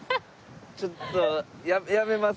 ちょっと。